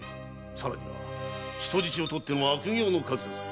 さらには人質を取っての悪行の数々！